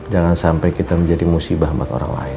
jangan sampai kita menjadi musibah buat orang lain